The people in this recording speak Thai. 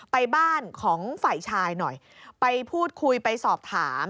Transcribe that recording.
ไปบ้านของฝ่ายชายหน่อยไปพูดคุยไปสอบถาม